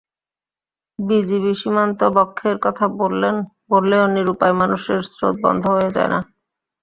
BGB সীমান্ত বন্ধের কথা বললেও নিরুপায় মানুষের স্রোত বন্ধ হয়ে যায় না।